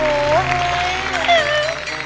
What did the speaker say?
โอ๊ย